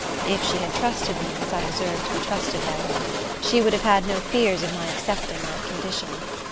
If she had trusted me, as I deserved to be trusted by her, she would have had no fears of my accepting that condition.